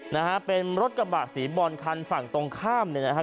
นะฮะเป็นรถกระบะสีบอลคันฝั่งตรงข้ามเนี่ยนะฮะ